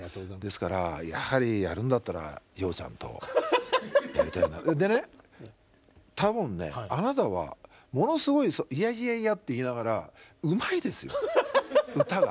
ですからやはりやるんだったらでね多分ねあなたはものすごいいやいやいやって言いながらうまいですよ歌が。